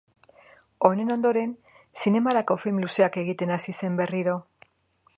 Honen ondoren, zinemarako film luzeak egiten hasi zen berriro.